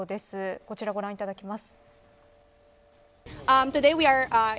こちら、ご覧いただきます。